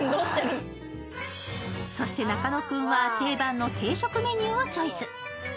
そして、中野君は定番の定食メニューをチョイス。